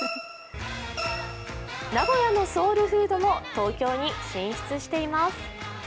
名古屋のソウルフードも東京に進出しています。